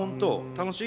楽しい？